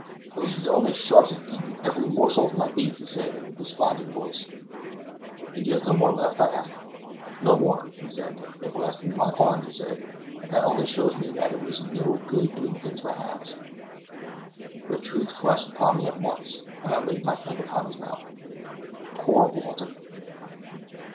"Those villainous sharks have eaten every morsel of my bait," he said, in a desponding voice. "And you have no more left?" I asked. "No more," he said. Then grasping my arm, he added, "and that only shows me that it is no good doing things by halves." The truth flashed upon me at once, and I laid my hand upon his mouth. Poor Walter!